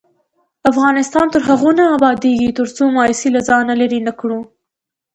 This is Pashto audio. افغانستان تر هغو نه ابادیږي، ترڅو مایوسي له ځانه لیرې نکړو.